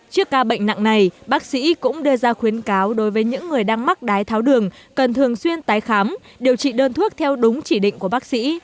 trước ca bệnh nặng này bác sĩ cũng đưa ra khuyến cáo đối với những người đang mắc đái tháo đường cần thường xuyên tái khám điều trị đơn thuốc theo đúng chỉ định của bác sĩ